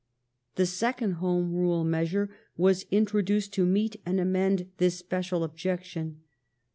The second Home Rule measure was introduced to meet and amend that special objection.